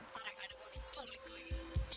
parah yang ada gua diculik lagi